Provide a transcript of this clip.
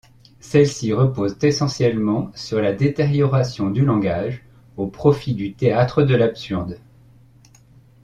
Celles-ci reposent essentiellement sur la détérioration du langage, au profit du théâtre de l'absurde.